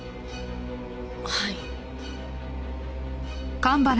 はい。